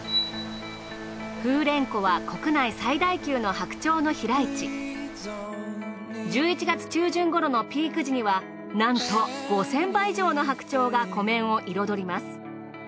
風蓮湖は１１月中旬頃のピーク時にはなんと５，０００羽以上の白鳥が湖面を彩ります。